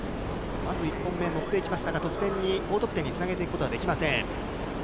まず１本目乗っていきましたが、高得点につなげていくことはできません。